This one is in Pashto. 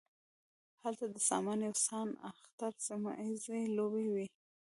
هلته د سان یو سان اختر سیمه ییزې لوبې وې.